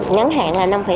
ngắn hạn là năm năm